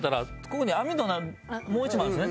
ここに網戸もう一枚あるんですね。